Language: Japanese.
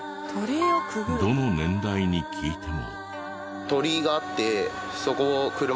どの年代に聞いても。